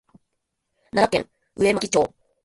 奈良県上牧町